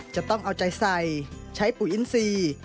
จะต้องเอาใจใส่ใช้ปุ๋ยอินทรีย์